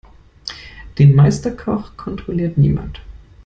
Den Meisterkoch kontrolliert niemand.